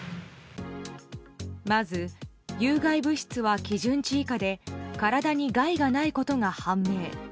まず、有害物質は基準値以下で体に害がないことが判明。